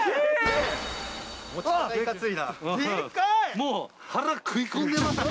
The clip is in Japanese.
もう腹食い込んでますよ。